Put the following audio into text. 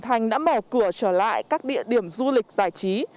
thành đã mở cửa trở lại các địa điểm du lịch giải trí